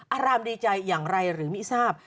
อารามดีใจอย่างไรหรือไม่ทราบ